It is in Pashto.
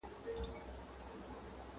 قهر د شینکي اسمان ګوره چي لا څه کیږي،